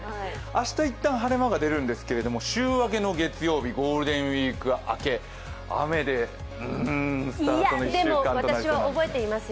明日いったん晴れ間が出るんですけれども週末のゴールデンウイーク明け、雨で、うん、スタートの１週間となりそうなんです。